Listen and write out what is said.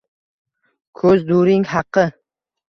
Ko’z during haqqi.